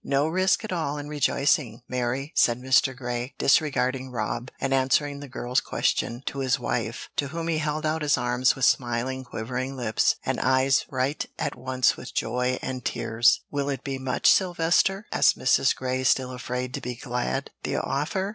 "No risk at all in rejoicing, Mary," said Mr. Grey, disregarding Rob, and answering the girl's question to his wife, to whom he held out his arms with smiling, quivering lips, and eyes bright at once with joy and tears. "Will it be much, Sylvester?" asked Mrs. Grey, still afraid to be glad. "The offer?